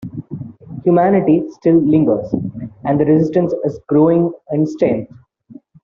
Humanity still lingers, and the Resistance is growing in strength.